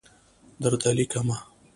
درته لیکمه